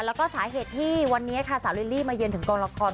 แล้วก็สาเหตุที่วันนี้ค่ะสาวลิลลี่มาเยือนถึงกองละคร